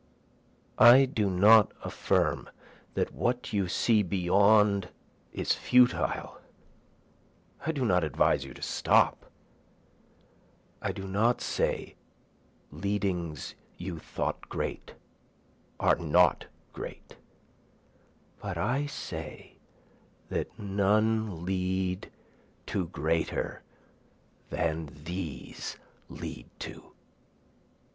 I do not affirm that what you see beyond is futile, I do not advise you to stop, I do not say leadings you thought great are not great, But I say that none lead to greater than these lead to.